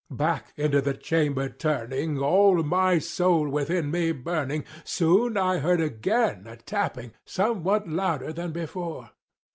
Back into the chamber turning, all my soul within me burning, Soon I heard again a tapping somewhat louder than before.